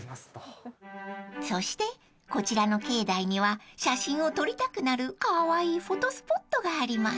［そしてこちらの境内には写真を撮りたくなるカワイイフォトスポットがあります］